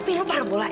kopi lu parah bola ya